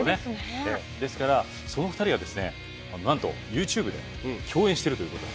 ですからその２人がですね何とＹｏｕＴｕｂｅで共演してるということで。